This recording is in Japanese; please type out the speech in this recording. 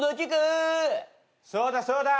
そうだそうだ！